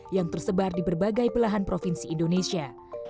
yang tersebar di berbagai belahan provinsi indonesia